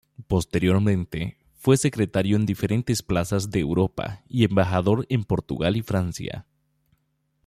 Posteriormente, fue secretario en diferentes plazas de Europa y embajador en Portugal y Francia.